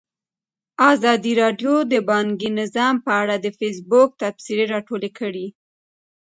ازادي راډیو د بانکي نظام په اړه د فیسبوک تبصرې راټولې کړي.